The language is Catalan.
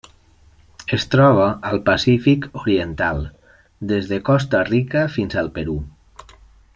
Es troba al Pacífic oriental: des de Costa Rica fins al Perú.